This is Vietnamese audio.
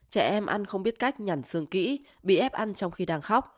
trẻ em ăn không biết cách nhản xương kỹ bị ép ăn trong khi đang khóc